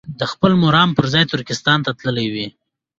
د خپل مرام پر ځای ترکستان ته تللي وي.